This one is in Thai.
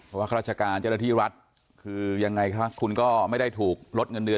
เพราะว่าข้าราชการเจ้าหน้าที่รัฐคือยังไงคะคุณก็ไม่ได้ถูกลดเงินเดือน